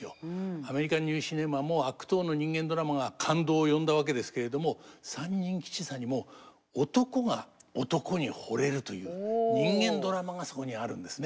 アメリカンニューシネマも悪党の人間ドラマが感動を呼んだわけですけれども「三人吉三」にも男が男に惚れるという人間ドラマがそこにあるんですね。